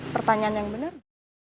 pertanyaan yang bener